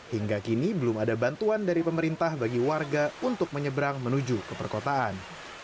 hingga kini belum ada bantuan dari pemerintah bagi warga untuk menyeberang menuju ke perkotaan